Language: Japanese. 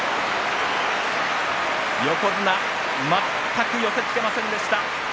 横綱、全く寄せつけませんでした。